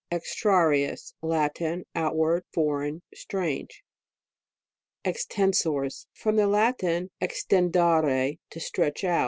EXTRARIUS Latin. Outward, foreign, strange. EXTENSORS. From the Latin, exten dere, to stretch out.